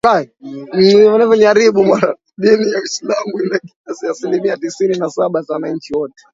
Dini ya Uislamu ina kiasi cha asilimia tisini na saba za wananchi wote